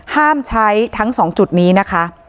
ห้ามใช้ทั้ง๒จุดนี้นะคะ